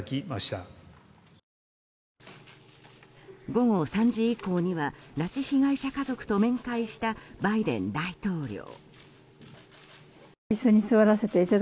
午後３時以降には拉致被害者家族と面会したバイデン大統領。